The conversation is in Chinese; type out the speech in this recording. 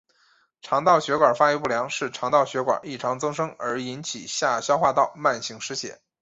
肠道血管发育不良是肠道血管异常增生而引起下消化道慢性失血。